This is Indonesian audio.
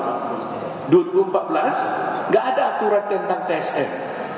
tidak ada aturan tentang tsm